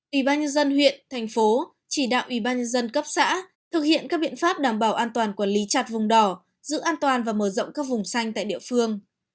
ủy ban nhân dân huyện thành phố chỉ đạo ủy ban nhân dân cấp xã thực hiện các biện pháp đảm bảo an toàn quản lý chặt vùng đỏ giữ an toàn và mở rộng các vùng xanh tại địa phương